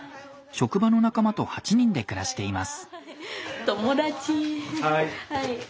職場の仲間と８人で暮らしています。